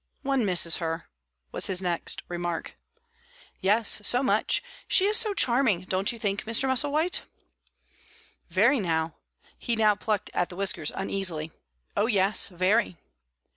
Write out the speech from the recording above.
"One misses her," was his next remark. "Yes, so much. She is so charming don't you think, Mr. Musselwhite?" "Very." He now plucked at the whiskers uneasily. "Oh yes, very."